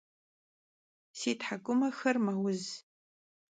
Si thk'umexer meuz.